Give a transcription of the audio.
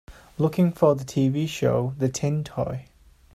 Looking for the TV show the Tin Toy